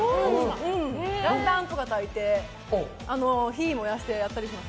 ランタンとかたいて火を燃やしてやったりします。